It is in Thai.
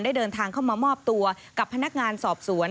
เดินทางเข้ามามอบตัวกับพนักงานสอบสวน